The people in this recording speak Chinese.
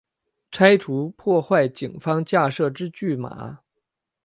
拆除破坏警方架设之拒马